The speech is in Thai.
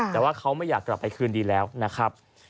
แต่ว่าเขาไม่อยากกลับไปคืนดีแล้วนะครับ